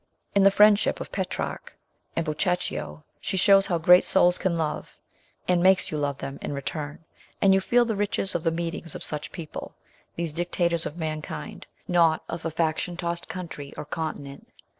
In the friendship of Petrarch and Boccaccio, she shows how great souls can love, and makes you love them in return, and you feel the riches of the meetings of such people, these dictators of mankind not of a faction LATER WORKS. 209 tossed country or continent.